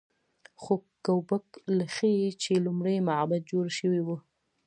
خو ګوبک لي ښيي چې لومړی معبد جوړ شوی و.